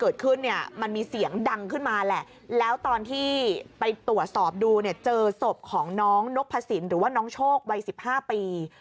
โดยศพของน้องนกพระสินหรือว่าน้องโชควัย๑๕ปี